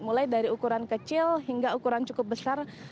mulai dari ukuran kecil hingga ukuran cukup besar